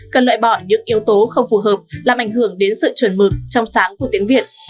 cần loại bỏ những yếu tố không phù hợp làm ảnh hưởng đến sự chuẩn mực trong sáng của tiếng việt